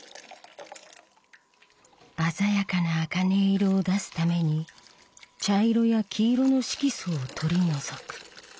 鮮やかな茜色を出すために茶色や黄色の色素を取り除く。